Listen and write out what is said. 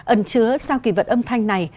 ẩn chứa sau kỳ vật âm thanh này